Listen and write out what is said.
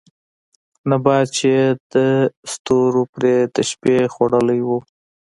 نبات چې يې د ستورو پرې د شپې خـوړلې وو